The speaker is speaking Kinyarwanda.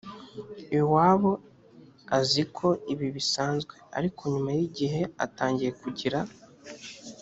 iwabo aziko ibi bisanzwe ariko nyuma y igihe atangiye kugira